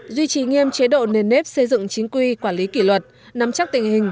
duy trì nghiêm chế độ nền nếp xây dựng chính quy quản lý kỷ luật nắm chắc tình hình